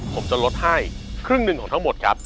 ผมจะลดให้ครึ่งหนึ่งของทั้งหมดครับ